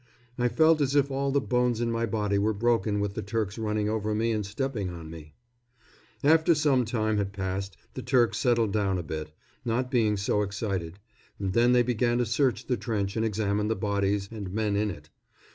I felt as if all the bones in my body were broken with the Turks running over me and stepping on me. After some time had passed the Turks settled down a bit, not being so excited, and then they began to search the trench and examine the bodies and men in it.